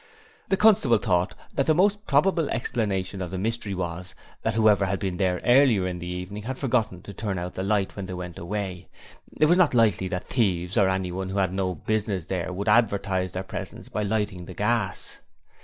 The constable thought that the most probable explanation of the mystery was that whoever had been there earlier in the evening had forgotten to turn out the light when they went away; it was not likely that thieves or anyone who had no business to be there would advertise their presence by lighting the gas.